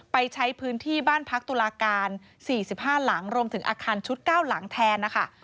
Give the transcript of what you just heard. ไปใช้พื้นที่บ้านพักตุลาการ๔๕หลังรวมถึงอาคารชุด๙หลังแทนนะคะ